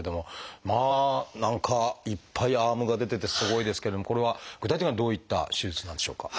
まあ何かいっぱいアームが出ててすごいですけれどもこれは具体的にはどういった手術なんでしょうか？